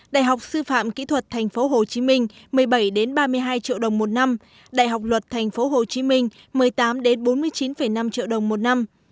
đại học sư phạm kỹ thuật tp hcm một mươi bảy ba mươi hai triệu đồng một năm đại học luật tp hcm một mươi tám bốn mươi chín năm triệu đồng một năm